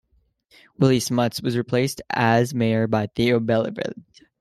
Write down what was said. Willie Smuts was replaced as Mayor by Theo Beyleveldt.